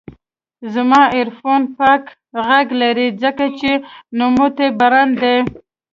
زما ایرفون پاک غږ لري، ځکه چې نوموتی برانډ دی.